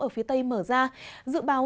ở phía tây nguyên và nam bộ